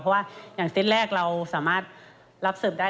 เพราะว่าอย่างเส้นแรกเราสามารถรับเสิร์ฟได้